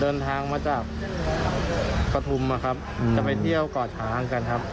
เดินทางมาจากปฐุมนะครับจะไปเที่ยวก่อช้างกันครับ